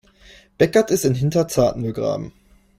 Beckert ist in Hinterzarten begraben.